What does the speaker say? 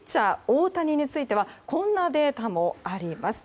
大谷についてはこんなデータもあります。